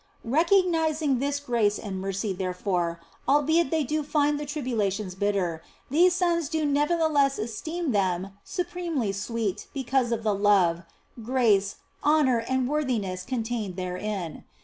OF FOLIGNO 243 Recognising this grace and mercy, therefore, albeit they do find the tribulations bitter, these sons do nevertheless esteem them supremely sweet because of the love, grace, honour and worthiness*contained therein.